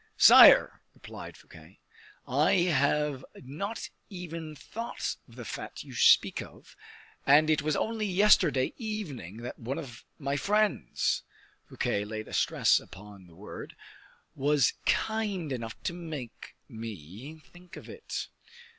"Sire," replied Fouquet, "I have not even thought of the fete you speak of, and it was only yesterday evening that one of my friends," Fouquet laid a stress upon the word, "was kind enough to make me think of it."